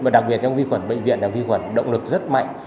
và đặc biệt trong vi khuẩn bệnh viện là vi khuẩn động lực rất mạnh